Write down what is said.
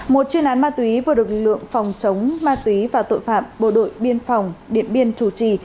một chuyên án ma túy vừa được lượng phòng chống ma túy và tội phạm bộ đội biên phòng điện biên chủ trì